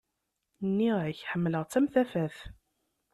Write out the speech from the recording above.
Niɣ-ak ḥemlaɣ-tt am tafat.